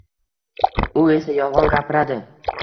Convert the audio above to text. U esa yolg`on gapiradi